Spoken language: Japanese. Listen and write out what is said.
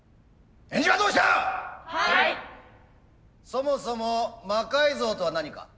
そもそも魔改造とは何か。